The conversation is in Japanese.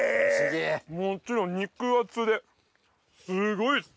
もちろん肉厚ですごいです。